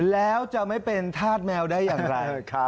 แล้วจะไม่เป็นธาตุแมวได้อย่างไร